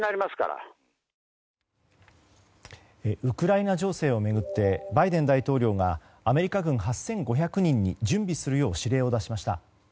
ウクライナ情勢を巡ってバイデン大統領がアメリカ軍８５００人に準備するよう指令を出しました。